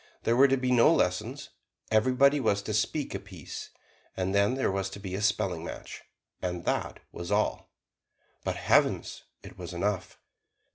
There were to be no lessons; everybody was to speak a piece, and then there was to be a spelling match and that was all. But heavens! it was enough.